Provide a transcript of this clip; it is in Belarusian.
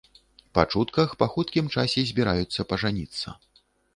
Па чутках, па хуткім часе збіраюцца пажаніцца.